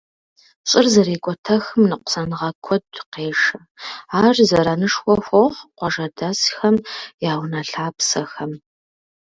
Щӏыр зэрекӏуэтэхым ныкъусаныгъэ куэд къешэ, ар зэранышхуэ хуохъу къуажэдэсхэм я унэ-лъапсэхэм.